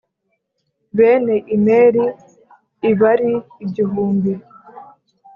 bene Imeri i bari igihumbi.